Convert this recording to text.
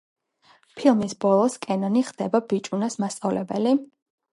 ფილმის ბოლოს კენობი ხდება ბიჭუნას მასწავლებელი.